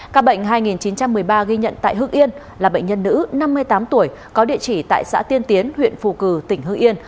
ca bệnh hai nghìn chín trăm một mươi ba ghi nhận tại hưng yên là bệnh nhân nữ năm mươi tám tuổi có địa chỉ tại xã tiên tiến huyện phù cử tỉnh hưng yên